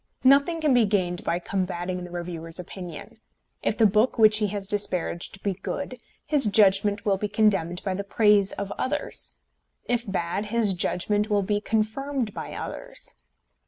Nothing can be gained by combating the reviewer's opinion. If the book which he has disparaged be good, his judgment will be condemned by the praise of others; if bad, his judgment will be confirmed by others.